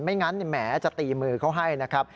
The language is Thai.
ไม่งั้นแหมจะตีมือเขาให้นะครับ